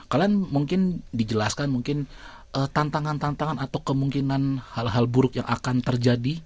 kalian mungkin dijelaskan mungkin tantangan tantangan atau kemungkinan hal hal buruk yang akan terjadi